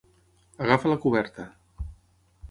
Agafa la coberta.